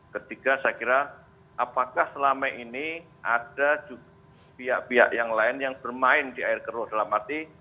ketiga saya kira apakah selama ini ada juga pihak pihak yang lain yang bermain di air keruh dalam arti